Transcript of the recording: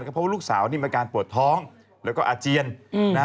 เพราะว่าลูกสาวนี่มีอาการปวดท้องแล้วก็อาเจียนนะฮะ